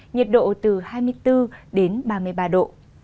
nhiệt độ từ hai mươi bốn đến ba mươi ba độ